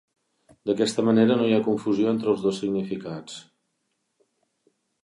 D'aquesta manera no hi ha confusió entre els dos significats.